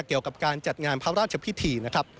เกี่ยวกับการจัดงานพระราชพิธีนะครับ